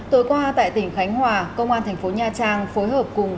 tối qua tại tỉnh khánh hòa công an thành phố nha trang phối hợp cùng